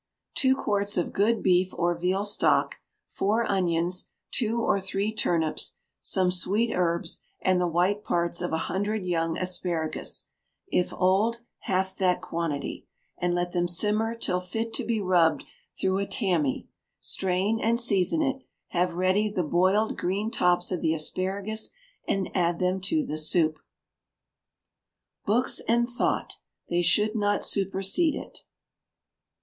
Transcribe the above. Two quarts of good beef or veal stock, four onions, two or three turnips, some sweet herbs, and the white parts of a hundred young asparagus, if old, half that quantity, and let them simmer till fit to be rubbed through a tammy; strain and season it; have ready the boiled green tops of the asparagus, and add them to the soup. [BOOKS AND THOUGHT; THEY SHOULD NOT SUPERSEDE IT.